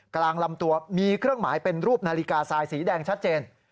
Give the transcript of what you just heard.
กลางลำตัวมีเครื่องหมายเป็นรูปนาฬิกาทรายสีแดงชัดเจน